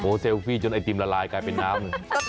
เซลฟี่จนไอติมละลายกลายเป็นน้ำเลย